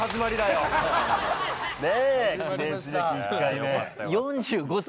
ねえ記念すべき１回目。